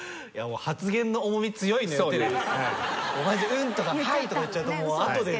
「うん」とか「はい」とか言っちゃうと後で。